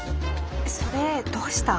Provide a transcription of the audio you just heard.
それどうした？